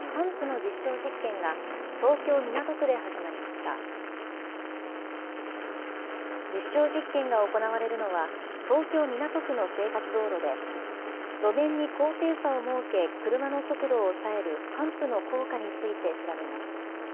実証実験が行われるのは、東京・港区の生活道路で、路面に高低差を設け、車の速度を抑えるハンプの効果について調べます。